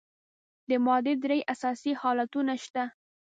د مادې درې اساسي حالتونه شته.